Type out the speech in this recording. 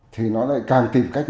thì nó lại càng tìm cách